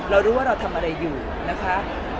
เรารู้ว่าเราทำอะไรอยู่นะคะ